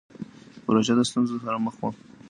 پژو د ستونزو سره مخ و.